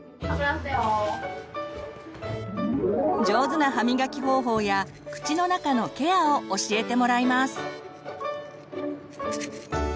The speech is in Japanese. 上手な歯みがき方法や口の中のケアを教えてもらいます。